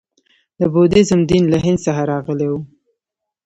د بودیزم دین له هند څخه راغلی و